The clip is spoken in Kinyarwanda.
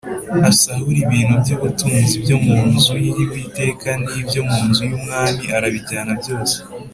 Asahura ibintu by’ubutunzi byo mu nzu y’Uwiteka n’ibyo mu nzu y’umwami arabijyana byose